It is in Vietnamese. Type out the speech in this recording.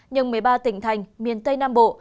nhưng một mươi ba tỉnh thành miền tây nam bộ